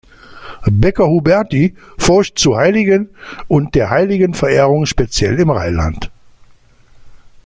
Becker-Huberti forscht zu Heiligen und der Heiligenverehrung speziell im Rheinland.